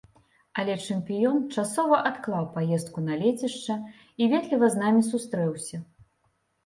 Але чэмпіён часова адклаў паездку на лецішча і ветліва з намі сустрэўся.